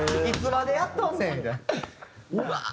いつまでやっとんねん！